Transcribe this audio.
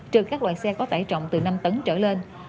trừ các loại xe có tải trọng từ năm tấn trở lên